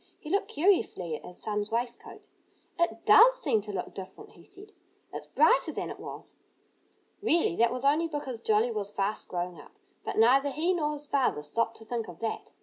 He looked curiously at his son's waistcoat. "It does seem to look different," he said. "It's brighter than it was." Really, that was only because Jolly was fast growing up. But neither he nor his father stopped to think of that.